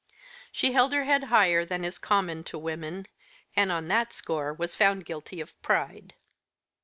She held her head higher than is common to women, and on that score was found guilty of pride.